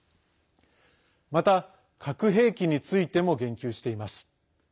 また、核兵器についても言及しています。